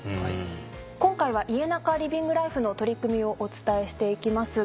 今回は「家ナカリビングライフ」の取り組みをお伝えしていきますが。